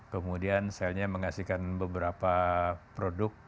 kemudian selnya menghasilkan beberapa produk